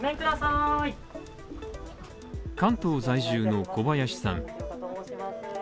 関東在住の小林さん。